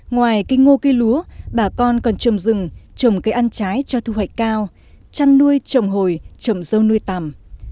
ngoài cây ngô cây lúa bà con còn trầm rừng trầm cây ăn trái cho thu hoạch cao chăn nuôi trầm hồi trầm dâu nuôi tằm